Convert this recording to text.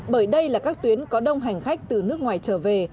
bởi đây là các tuyến có đông hành khách từ nước ngoài trở về